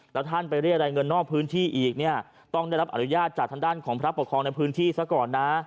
แล้วท่านไปเรียกรายเงินนอกพื้นที่อีกเนี่ยต้องได้รับอนุญาตจากทางด้านของพระปกครองในพื้นที่ซะก่อนนะ